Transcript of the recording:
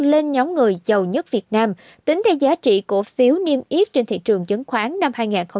lên nhóm người giàu nhất việt nam tính theo giá trị của phiếu niêm yết trên thị trường chứng khoán năm hai nghìn một mươi bảy